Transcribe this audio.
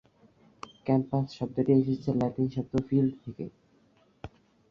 Campus শব্দটি এসেছে Latin শব্দ "ফিল্ড" থেকে।